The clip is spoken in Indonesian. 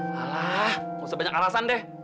alah nggak usah banyak alasan deh